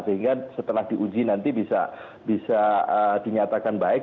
sehingga setelah diuji nanti bisa dinyatakan baik